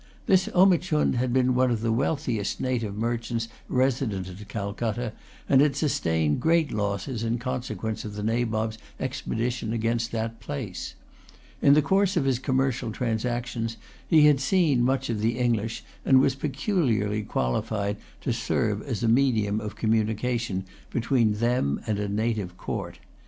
This Omichund had been one of the wealthiest native merchants resident at Calcutta, and had sustained great losses in consequence of the Nabob's expedition against that place. In the course of his commercial transactions, he had seen much of the English, and was peculiarly qualified to serve as a medium of communication between them and a native court.